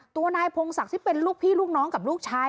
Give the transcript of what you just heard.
ตัวนายพงศักดิ์ที่เป็นลูกพี่ลูกน้องกับลูกชาย